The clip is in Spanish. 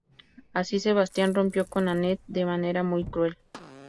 Así, Sebastian rompió con Anette de manera muy cruel.